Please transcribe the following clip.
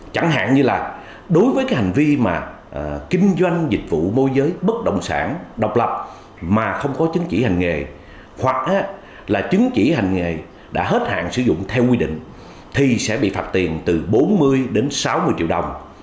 chẳng hạn như là đối với cái hành vi mà kinh doanh dịch vụ môi giới bất động sản độc lập mà không có chứng chỉ hành nghề hoặc là chứng chỉ hành nghề đã hết hạn sử dụng theo quy định thì sẽ bị phạt tiền từ bốn mươi đến sáu mươi triệu đồng